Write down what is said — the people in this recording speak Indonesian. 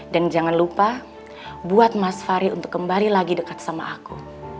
dan jangan lupa buat mas fari untuk kembali lagi dekat sama aku